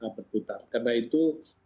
berputar karena itu